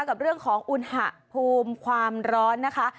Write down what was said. กับเรื่องของอุณหภูมิความร้อนนะคะ